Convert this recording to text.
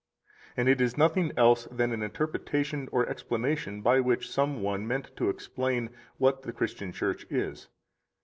And it is nothing else than an interpretation or explanation by which some one meant to explain what the Christian Church is.